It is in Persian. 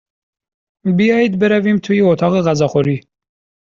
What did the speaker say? بیایید برویم توی اتاق غذاخوری.